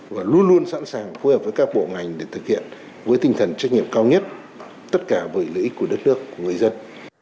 và luôn luôn sẵn sàng phối hợp với các bộ ngành để thực hiện với tinh thần trách nhiệm cao nhất tất cả bởi lợi ích của đất nước của người dân